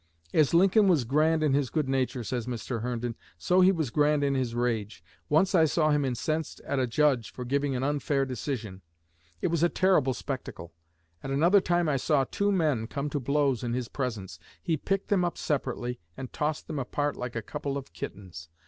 As Lincoln was grand in his good nature, says Mr. Herndon, so he was grand in his rage. "Once I saw him incensed at a judge for giving an unfair decision. It was a terrible spectacle. At another time I saw two men come to blows in his presence. He picked them up separately and tossed them apart like a couple of kittens.